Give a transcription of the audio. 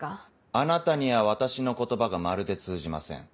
あなたには私の言葉がまるで通じません。